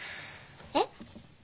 えっ？